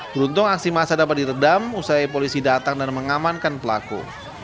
beruntung aksi massa dapat diredam usai polisi datang dan mengamankan pelaku